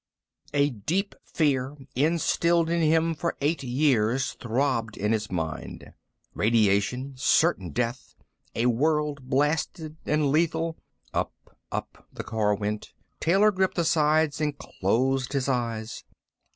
A deep fear, instilled in him for eight years, throbbed in his mind. Radiation, certain death, a world blasted and lethal Up and up the car went. Taylor gripped the sides and closed his eyes.